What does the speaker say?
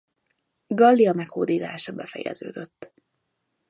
Gallia meghódítása befejeződött.